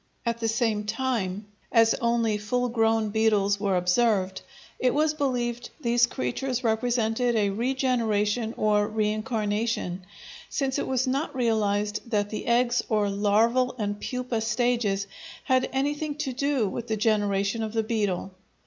At the same time, as only full grown beetles were observed, it was believed these creatures represented a regeneration or reincarnation, since it was not realized that the eggs or larval and pupa stages had anything to do with the generation of the beetle.